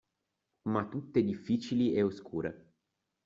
Ma tutte difficili e oscure